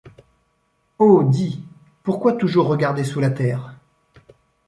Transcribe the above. Oh dis ! pourquoi toujours regarder sous la terre